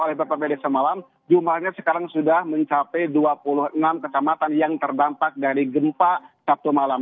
oleh pemerintah desa malam jumlahnya sekarang sudah mencapai dua puluh enam kecamatan yang terdampak dari gempa sabtu malam